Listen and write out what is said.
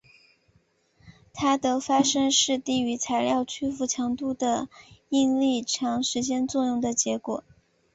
它的发生是低于材料屈服强度的应力长时间作用的结果。